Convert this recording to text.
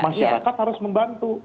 masyarakat harus membantu